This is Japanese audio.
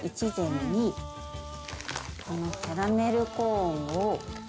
１膳にこのキャラメルコーンを。